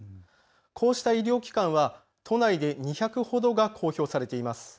こうした医療機関は都内で２００ほどが公表されています。